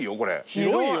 広いよ。